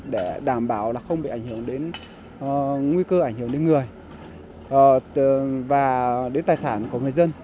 để đảm bảo không bị ảnh hưởng đến nguy cơ ảnh hưởng đến người và đến tài sản của người dân